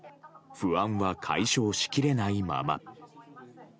不安は解消しきれないまま。